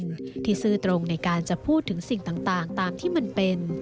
ที่จะมีใครสักคนที่ซื่อตรงในการจะพูดถึงสิ่งต่างตามที่มันเป็น